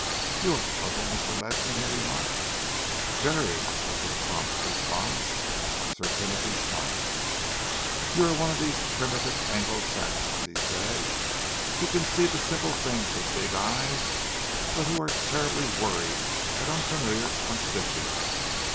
"You are puzzled, Mr. Ledsam?" he remarked. "Very," was the prompt response. Sir Timothy smiled. "You are one of these primitive Anglo Saxons," he said, "who can see the simple things with big eyes, but who are terribly worried at an unfamiliar constituent.